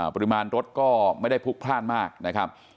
ปริมาณรถก็ไม่ได้พลุกพลาดมากนะครับ